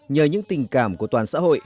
nhờ những tình cảm của toàn xã hội